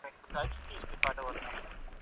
ځکه پوهه پیسې راوړي.